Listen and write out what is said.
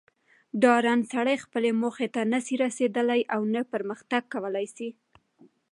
ډارن سړئ خپلي موخي ته نه سي رسېدلاي اونه پرمخ تګ کولاي سي